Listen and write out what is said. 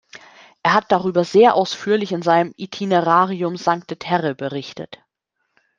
Er hat darüber sehr ausführlich in seinem "Itinerarium sancte terre" berichtet.